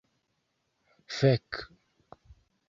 Fek.